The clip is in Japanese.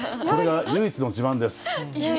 それが唯一の自慢です。